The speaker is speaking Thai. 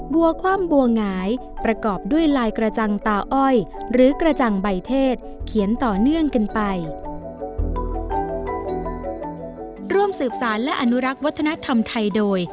วคว่ำบัวหงายประกอบด้วยลายกระจังตาอ้อยหรือกระจังใบเทศเขียนต่อเนื่องกันไป